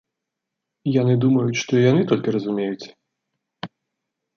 Яны думаюць, што яны толькі разумеюць?